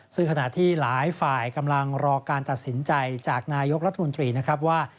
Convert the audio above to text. ซึ่งขณะที่หลายฝ่ายกำลังรอการตัดสินใจจากนายกรัฐมนตรีนะครับว่า